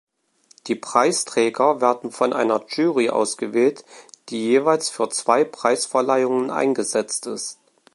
Die Preisträger werden von einer Jury ausgewählt, die jeweils für zwei Preisverleihungen eingesetzt ist.